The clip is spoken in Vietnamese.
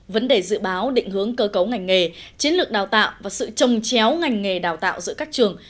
vấn đề dự báo định hướng cơ cấu ngành nghề chiến lược đào tạo và sự trồng chéo ngành nghề đào tạo giữa các trường